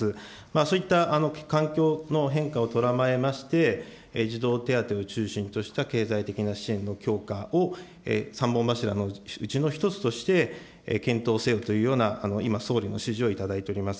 そういった環境の変化をとらまえまして、児童手当を中心とした経済的な支援の強化を３本柱のうちの１つとして、検討せよというような、今、総理の指示をいただいております。